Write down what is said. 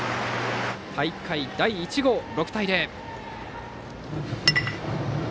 大会第１号で６対０。